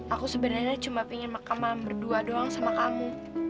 aku sebenarnya cuma pengen makan berdua doang sama kamu